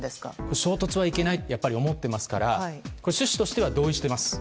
衝突はいけないと思っていますから趣旨としては同意しています。